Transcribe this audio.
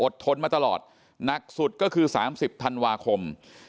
ทนมาตลอดหนักสุดก็คือ๓๐ธันวาคม